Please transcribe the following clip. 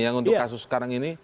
yang untuk kasus sekarang ini